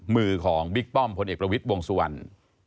มือของบิ๊กป้อมพลเอกรวิทวงศ์ในคราวสุวรรค์